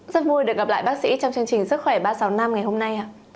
rất vui được gặp lại bác sĩ trong chương trình sức khỏe ba trăm sáu mươi năm ngày hôm nay